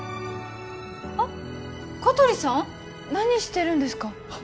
あっ小鳥さん何してるんですか？